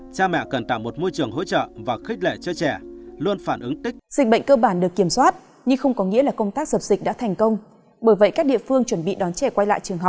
cha mẹ cần tạo một môi trường hỗ trợ và khích lệ cho trẻ luôn phản ứng tích